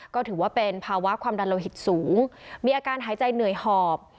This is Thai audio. ก็ถือว่าเป็นภาวะความดันโลหิตสูงมีอาการหายใจเหนื่อยหอบ